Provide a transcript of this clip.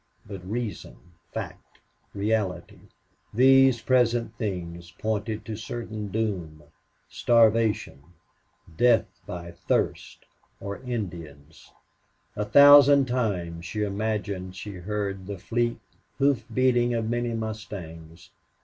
But reason, fact, reality, these present things pointed to certain doom starvation death by thirst or Indians! A thousand times she imagined she heard the fleet hoof beating of many mustangs.